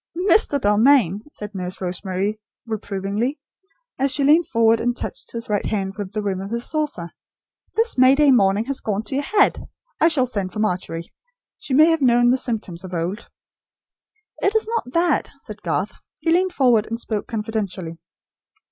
"Mr. Dalmain," said Nurse Rosemary, reprovingly, as she leaned forward and touched his right hand with the rim of his saucer, "this May Day morning has gone to your head. I shall send for Margery. She may have known the symptoms, of old." "It is not that," said Garth. He leaned forward and spoke confidentially.